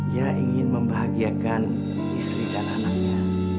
ia ingin membahagiakan istri dan anaknya